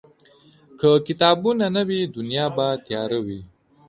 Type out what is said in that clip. که کتابونه نه وي، دنیا به تیاره وي.